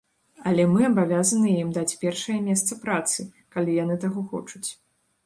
Але мы абавязаныя ім даць першае месца працы, калі яны таго хочуць.